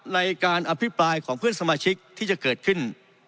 ในการอภิปรายของเพื่อนสมาชิกที่จะเกิดขึ้น